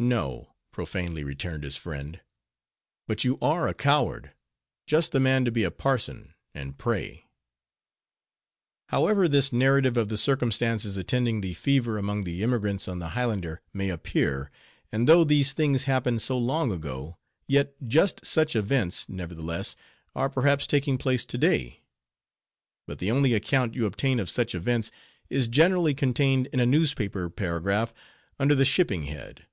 "No;" profanely returned his friend—"but you are a coward—just the man to be a parson, and pray." However this narrative of the circumstances attending the fever among the emigrants on the Highland may appear; and though these things happened so long ago; yet just such events, nevertheless, are perhaps taking place to day. But the only account you obtain of such events, is generally contained in a newspaper paragraph, under the shipping head.